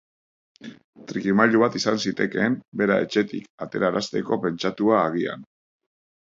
Trikimailu bat izan zitekeen, bera etxetik aterarazteko pentsatua agian!